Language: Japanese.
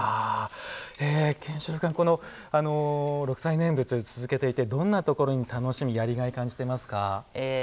健志郎君、六斎念仏続けていてどんなところに楽しみやりがいを感じていますか。